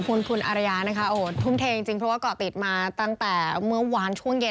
คุณคุณอารยานะคะโอ้โหทุ่มเทจริงเพราะว่าเกาะติดมาตั้งแต่เมื่อวานช่วงเย็น